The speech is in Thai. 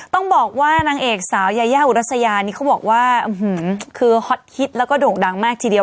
ต้องบอกว่านางเอกสาวยายาอุรัสยานี่เขาบอกว่าคือฮอตฮิตแล้วก็โด่งดังมากทีเดียว